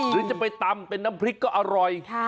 หรือจะไปตำเป็นน้ำพริกก็อร่อย